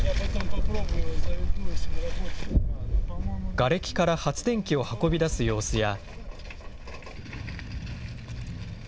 がれきから発電機を運び出す様子や。